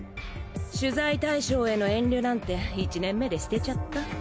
取材対象への遠慮なんて１年目で捨てちゃった。